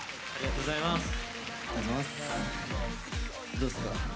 どうですか？